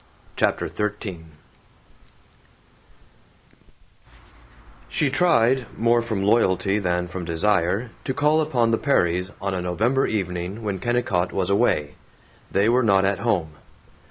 CHAPTER XIII SHE tried, more from loyalty than from desire, to call upon the Perrys on a November evening when Kennicott was away. They were not at home.